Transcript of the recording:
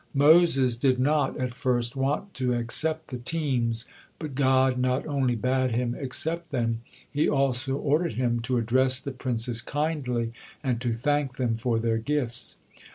Moses did not at first want to accept the teams, but God not only bade him accept them, He also ordered him to address the princes kindly, and to thank them for their gifts.